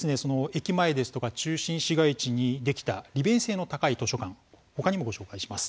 こうした駅前や中心市街地にできた利便性の高い図書館、他にもご紹介します。